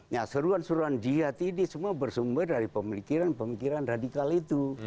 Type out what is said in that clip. nah seruan seruan jihad ini semua bersumber dari pemikiran pemikiran radikal itu